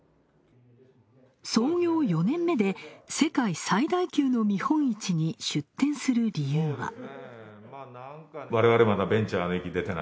創業４年目で世界最大級の見本市に出展する理由は。